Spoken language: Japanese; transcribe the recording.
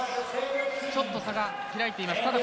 ちょっと差が開いています。